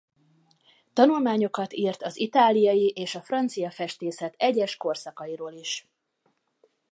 Tanulmányokat írt az itáliai és a francia festészet egyes korszakairól is.